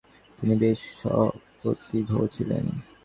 তিনি বেশ সপ্রতিভ ছিলেন।